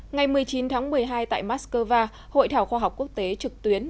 ngày một mươi chín tháng một mươi hai tại moscow hội thảo khoa học quốc tế trực tuyến